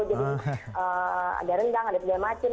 jadi ada rendang ada tiga macam